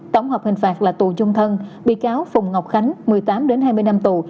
tổng hợp hình phạt là tù chung thân bị cáo phùng ngọc khánh một mươi tám hai mươi năm tù